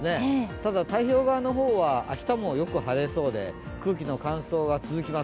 ただ、太平洋側の方は明日もよく晴れそうで、空気の乾燥が続きます。